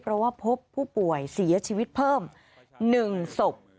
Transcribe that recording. เพราะว่าพบผู้ป่วยเสียชีวิตเพิ่ม๑ศพ